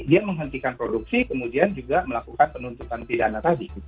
dia menghentikan produksi kemudian juga melakukan penuntutan pidana tadi